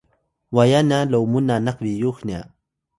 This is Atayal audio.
waya nya lomun nanak biyux nya